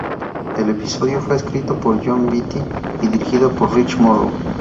El episodio fue escrito por Jon Vitti y dirigido por Rich Moore.